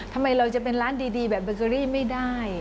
ทำไมเราจะเป็นร้านดีแบบเบอร์เกอรี่ไม่ได้